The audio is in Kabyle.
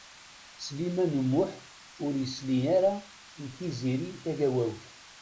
Sliman U Muḥ ur yesli ara i Tiziri Tagawawt.